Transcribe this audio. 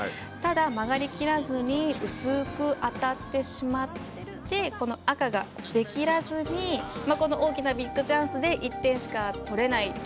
ただ曲がり切らずに薄く当たってしまってこの赤が出きらずにこの大きなビッグチャンスで１点しか取れない。